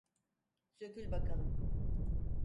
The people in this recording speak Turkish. Sökül bakalım.